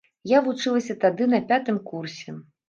Я вучылася тады на пятым курсе.